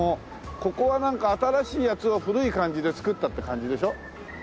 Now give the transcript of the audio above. ここはなんか新しいやつを古い感じで造ったって感じでしょ？